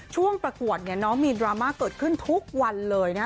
ประกวดเนี่ยน้องมีดราม่าเกิดขึ้นทุกวันเลยนะ